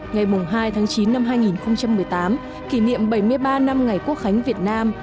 ngày hai tháng chín năm hai nghìn một mươi tám kỷ niệm bảy mươi ba năm ngày quốc khánh việt nam